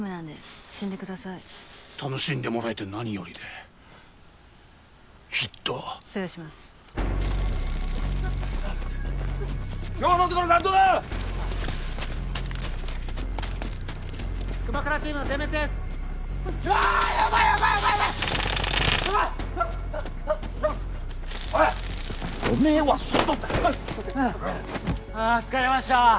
ああ疲れました。